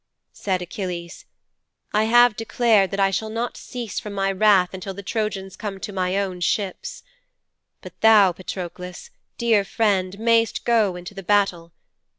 "' 'Said Achilles, "I have declared that I shall not cease from my wrath until the Trojans come to my own ships. But thou, Patroklos, dear friend, may'st go into the battle.